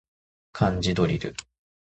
漢字ドリル